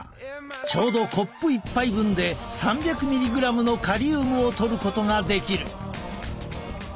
ちょうどコップ１杯分で３００ｍｇのカリウムをとることができる。